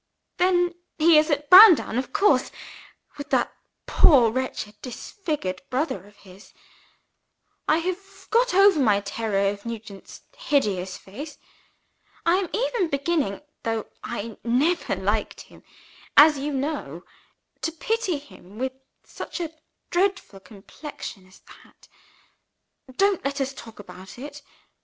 then he is at Browndown of course with that poor wretched disfigured brother of his. I have got over my terror of Nugent's hideous face. I am even beginning (though I never liked him, as you know) to pity him, with such a dreadful complexion as that. Don't let us talk about it!